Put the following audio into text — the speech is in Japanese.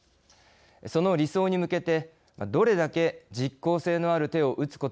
その理想に向けてどれだけ実効性のある手を打つことができるのか。